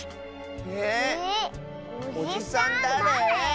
えっおじさんだれ？